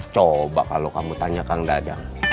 coba kalau kamu tanya kang dadang